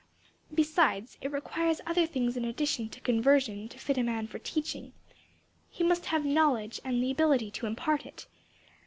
"Besides it requires other things in addition to conversion to fit a man for teaching; he must have knowledge and the ability to impart it.